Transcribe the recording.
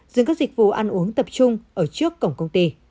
dừng các dịch vụ ăn uống tập trung ở trước cổng công ty